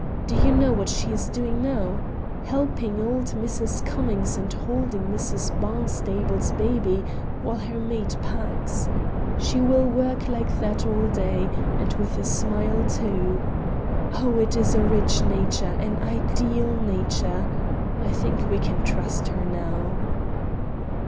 Do you know what she is doing now? Helping old Mrs. Cummings and holding Mrs. Barnstable's baby while her maid packs. She will work like that all day, and with a smile, too. Oh, it is a rich nature, an ideal nature! I think we can trust her now."